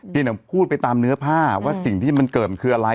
อย่างพูดไปตามเนื้อผ้าว่าสิ่งที่มันเกิดมันคืออะไร